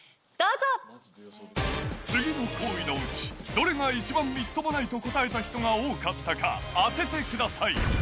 次の行為のうち、どれが一番みっともないと答えた人が多かったか当ててください。